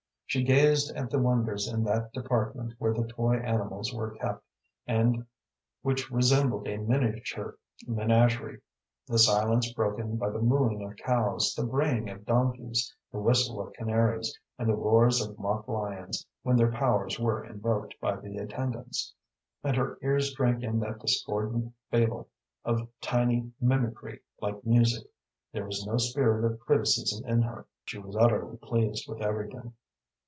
She gazed at the wonders in that department where the toy animals were kept, and which resembled a miniature menagerie, the silence broken by the mooing of cows, the braying of donkeys, the whistle of canaries, and the roars of mock lions when their powers were invoked by the attendants, and her ears drank in that discordant bable of tiny mimicry like music. There was no spirit of criticism in her. She was utterly pleased with everything.